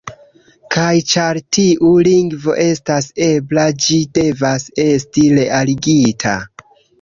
Kaj ĉar tiu lingvo estas ebla, ĝi devas esti realigita.